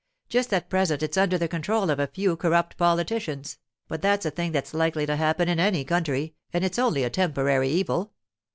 Just at present it's under the control of a few corrupt politicians, but that's a thing that's likely to happen in any country, and it's only a temporary evil.